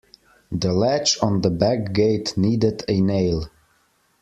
The latch on the back gate needed a nail.